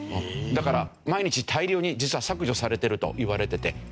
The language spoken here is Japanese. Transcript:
だから毎日大量に実は削除されてると言われてて。